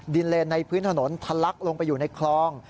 เลนในพื้นถนนทะลักลงไปอยู่ในคลอง